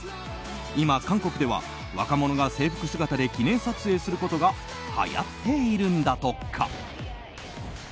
今、韓国では若者が制服姿で記念撮影することがはやっているんだとか。